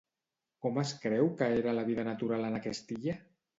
Com es creu que era la vida natural en aquesta illa?